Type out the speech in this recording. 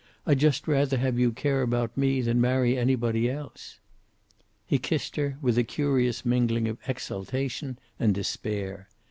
"I'd just rather have you care about me than marry anybody else." He kissed her, with a curious mingling of exultation and despair.